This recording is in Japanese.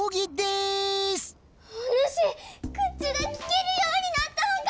おぬし口がきけるようになったのか！